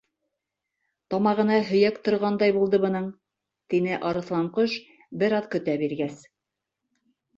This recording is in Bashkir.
—Тамағына һөйәк торғандай булды бының, —тине Арыҫланҡош бер аҙ көтә биргәс.